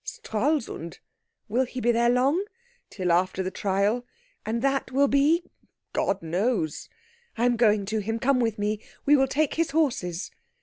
"Stralsund." "Will he be there long?" "Till after the trial." "And that will be?" "God knows." "I am going to him. Come with me. We will take his horses."